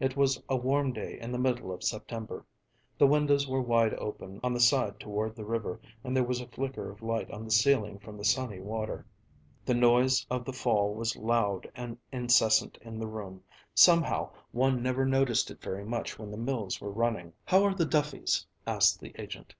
It was a warm day in the middle of September. The windows were wide open on the side toward the river and there was a flicker of light on the ceiling from the sunny water. The noise of the fall was loud and incessant in the room. Somehow one never noticed it very much when the mills were running. "How are the Duffys?" asked the agent.